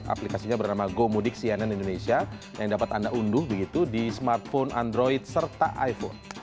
aplikasinya bernama gomudik cnn indonesia yang dapat anda unduh begitu di smartphone android serta iphone